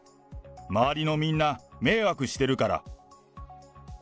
周りのみんな、迷惑してるから。